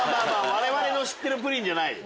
われわれの知ってるプリンじゃない。